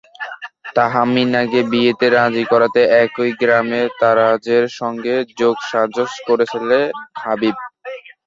তাহমিনাকে বিয়েতে রাজি করাতে একই গ্রামের তারাজের সঙ্গে যোগসাজশ করেছিল হাবিব।